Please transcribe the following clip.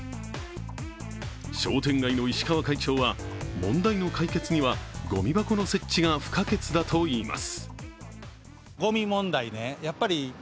商店街の石川会長は問題の解決にはごみ箱の設置が不可欠だと言います。